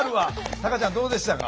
タカちゃんどうでしたか？